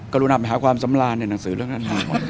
รุณาไปหาความสำราญในหนังสือเรื่องนั้น